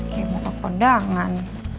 kayak muka kondangan